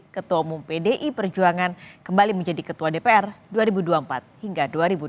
ketua umum pdi perjuangan kembali menjadi ketua dpr dua ribu dua puluh empat hingga dua ribu dua puluh